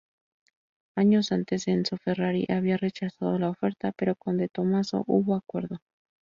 Años antes Enzo Ferrari había rechazado la oferta, pero con De Tomaso hubo acuerdo.